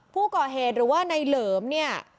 ผู้ก่อเหตุหรือว่าในเหลิมเนี่ย